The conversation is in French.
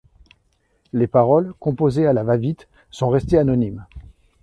Les paroles, composées à la va-vite, sont restées anonymes.